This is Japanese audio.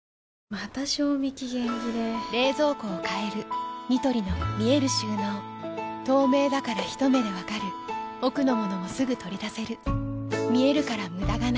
また賞味期限切れ冷蔵庫を変えるニトリの見える収納透明だからひと目で分かる奥の物もすぐ取り出せる見えるから無駄がないよし。